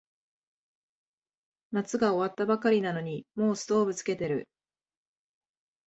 夏が終わったばかりなのにもうストーブつけてる